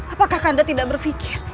apakah kanda tidak berpikir